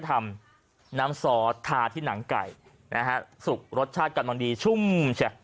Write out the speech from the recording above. ทำน้ำซอสทาที่หนังไก่นะฮะสุกรสชาติกำลังดีชุ่มเชีย